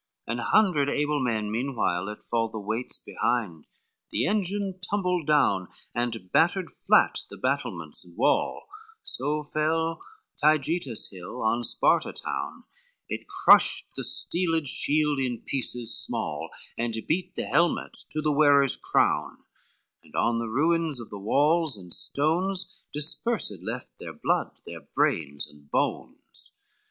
XXXVIII An hundred able men meanwhile let fall The weights behind, the engine tumbled down And battered flat the battlements and wall: So fell Taigetus hill on Sparta town, It crushed the steeled shield in pieces small, And beat the helmet to the wearers' crown, And on the ruins of the walls and stones, Dispersed left their blood their brains and bones.